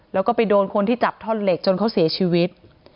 แล้วก็ไปโดนคนที่จับท่อนเหล็กจนเขาเสียชีวิต